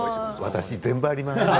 私、全部あります。